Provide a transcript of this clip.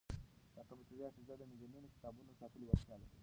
دا کمپیوټري حافظه د ملیونونو کتابونو د ساتلو وړتیا لري.